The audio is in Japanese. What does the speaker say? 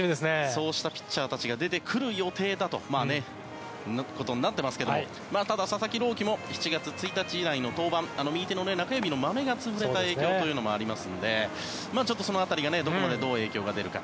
そうしたピッチャーたちが出てくる予定になってますけどただ、佐々木朗希も７月以来の登板中指のマメがつぶれた影響もありますのでちょっとその辺りがどう影響が出るか